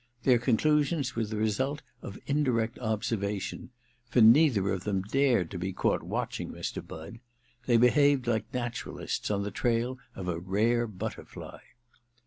Their conclusions were the result of indirect observation, for neither of them dared to be caught watching Mr. Budd : they behaved like naturalists on the trail of a rare butterfly.